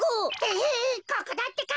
ヘヘここだってか。